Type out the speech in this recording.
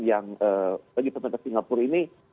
yang lagi terpengen ke singapura